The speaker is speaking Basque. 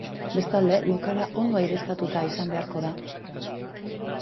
Bestalde, lokala ondo aireztatuta izan beharko da.